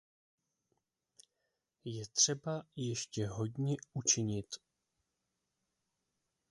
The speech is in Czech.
Je třeba ještě hodně učinit.